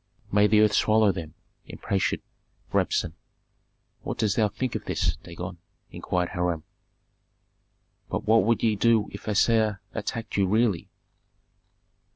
"May the earth swallow them!" imprecated Rabsun. "What dost thou think of this Dagon?" inquired Hiram. "But what would ye do if Assar attacked you really?"